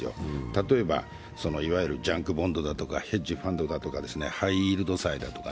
例えばいわゆるジャンクボンドだとかヘッジファンドだとかハイイールド債だとか。